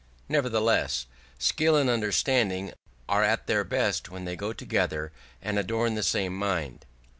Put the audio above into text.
Nevertheless, skill and understanding are at their best when they go together and adorn the same mind.